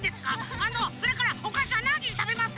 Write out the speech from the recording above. あのそれからおかしはなんじにたべますか？